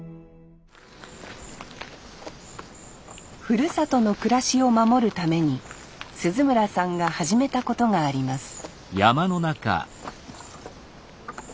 ふるさとの暮らしを守るために鈴村さんが始めたことがあります